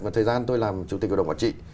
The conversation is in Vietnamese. và thời gian tôi làm chủ tịch hội đồng quản trị